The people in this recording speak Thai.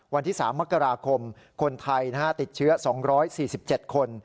วันที่๓มกราคมคนไทยติดเชื้อ๒๔๗คน